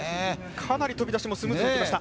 かなり飛び出しもスムーズにいきました。